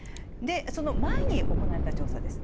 その前に行われた調査です。